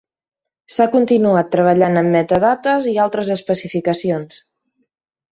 S'ha continuat treballant amb metadades i altres especificacions.